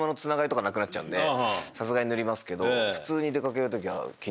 さすがに塗りますけど普通に。